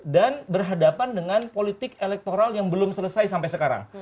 dan berhadapan dengan politik elektoral yang belum selesai sampai sekarang